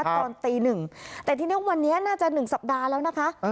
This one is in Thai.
ตอนตีหนึ่งแต่ทีนี้วันนี้น่าจะ๑สัปดาห์แล้วนะคะ